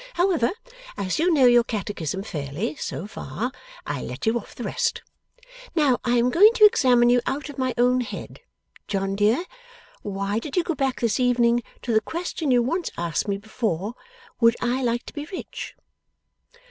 However, as you know your Catechism fairly, so far, I'll let you off the rest. Now, I am going to examine you out of my own head. John dear, why did you go back, this evening, to the question you once asked me before would I like to be rich?